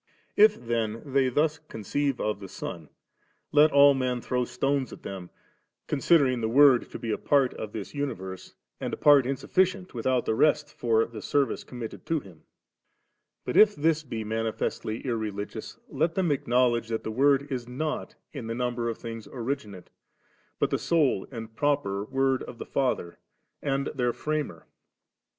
If then they thus con ceive of the Son, let all men throw stones^ at them, considering the Word to be a part of this universe, and a part insufficient without the rest for the service committed to Him* But if this be manifestly irreligious, let them acknowledge that the Word is not in the number of things originate, but the sole and proper Word of the Father, and their Framer.